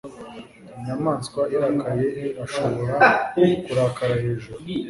Inyamaswa irakaye irashobora kurakara hejuru